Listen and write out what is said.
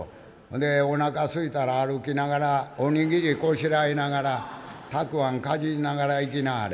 でおなかすいたら歩きながらおにぎりこしらえながらタクアンかじりながら行きなはれ」。